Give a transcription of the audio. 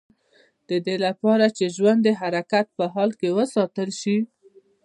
د دې لپاره چې ژوند د حرکت په حال کې وساتل شي.